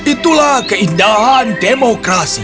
itulah keindahan demokrasi